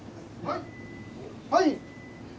はい。